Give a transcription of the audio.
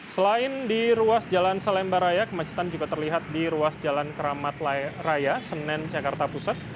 selain di ruas jalan salemba raya kemacetan juga terlihat di ruas jalan keramat raya senen jakarta pusat